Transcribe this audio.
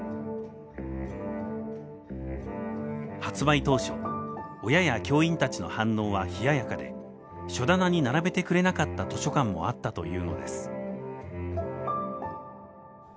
発売当初親や教員たちの反応は冷ややかで書棚に並べてくれなかった図書館もあったというのです。